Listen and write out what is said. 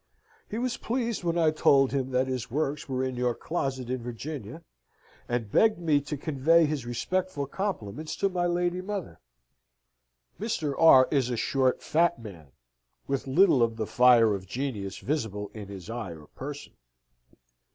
He was pleased when I told him that his works were in your closet in Virginia, and begged me to convey his respectful compliments to my lady mother. Mr. R. is a short fat man, with little of the fire of genius visible in his eye or person.